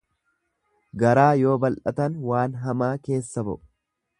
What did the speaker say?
Garaa yoo bal'atan waan hamaa keessa ba'u.